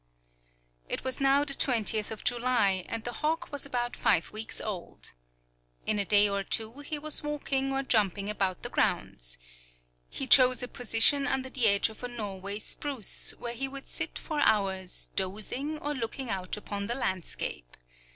It was now the 20th of July, and the hawk was about five weeks old. In a day or two he was walking or jumping about the grounds. He chose a position under the edge of a Norway spruce, where he would sit for hours dozing, or looking out upon the landscape.